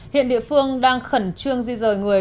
hiện địa phương đang khẩn trương di rời người